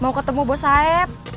mau ketemu bos saeb